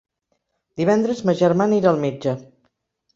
Divendres ma germana irà al metge.